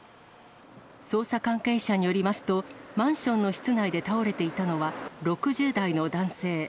捜査関係者によりますと、マンションの室内で倒れていたのは、６０代の男性。